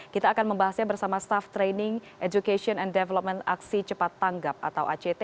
kita akan membahasnya bersama staff training education and development aksi cepat tanggap atau act